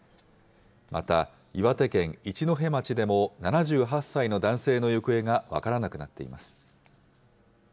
また、岩手県一戸町でも７８歳の男性の行方が分からなくなっています。